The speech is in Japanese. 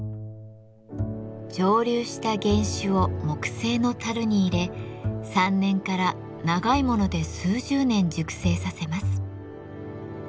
蒸留した原酒を木製の樽に入れ３年から長いもので数十年熟成させます。